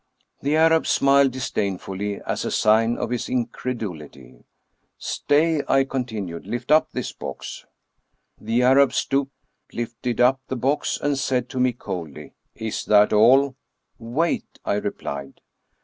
The Arab smiled disdainfully as a sign of his incredulity. " Stay," I continued; " lift up this box." The Arab stooped, lifted up the box, and said to me, coldly, "Is that all?" "Wait—!" I replied.